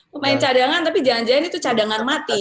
pemain cadangan tapi jangan jangan itu cadangan mati